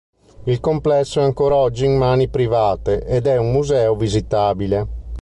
Il complesso è ancora oggi in mani private ed è un museo visitabile.